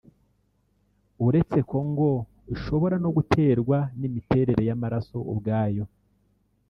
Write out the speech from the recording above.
uretse ko ngo ishobora no guterwa n’imiterere y’amaraso ubwayo